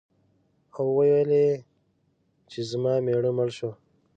او ویل یې چې زما مېړه مړ شو.